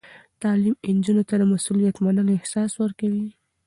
تعلیم نجونو ته د مسؤلیت منلو احساس ورکوي.